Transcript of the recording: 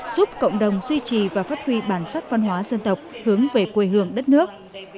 giúp cộng đồng duy trì và phát huy bản sắc văn hóa dân tộc hướng về quê hương đất nước